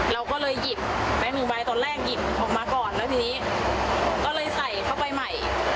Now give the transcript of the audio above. เราก็เลยหยิบแบงค์หนึ่งใบตอนแรกหยิบออกมาก่อนแล้วทีนี้ก็เลยใส่เข้าไปใหม่